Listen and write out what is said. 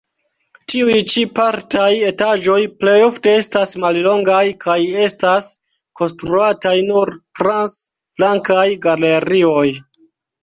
Tiuj ĉi partaj etaĝoj plejofte estas mallongaj kaj estas konstruataj nur trans flankaj galerioj.